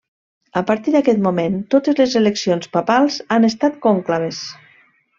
A partir d'aquest moment totes les eleccions papals han estat conclaves.